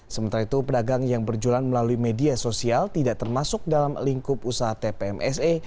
sementara itu pedagang yang berjualan melalui media sosial tidak termasuk dalam lingkup usaha tpmse